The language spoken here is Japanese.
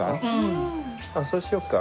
そうしようか。